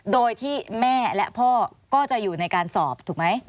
โดยที่แม่และพ่อก็จะอยู่ในการสอบถูกไหม